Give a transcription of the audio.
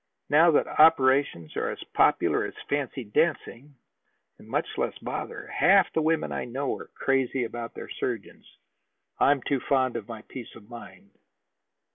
Now that operations are as popular as fancy dancing, and much less bother, half the women I know are crazy about their surgeons. I'm too fond of my peace of mind."